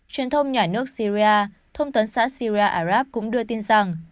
truyền thông nhà nước syria thông tấn xã siri arab cũng đưa tin rằng